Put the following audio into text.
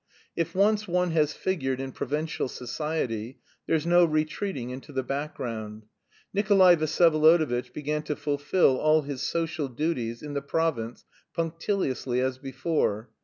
If once one has figured in provincial society, there's no retreating into the background. Nikolay Vsyevolodovitch began to fulfil all his social duties in the province punctiliously as before.